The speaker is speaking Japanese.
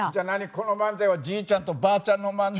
この漫才はじいちゃんとばあちゃんの漫才？